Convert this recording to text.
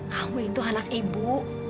kamu itu anak ibu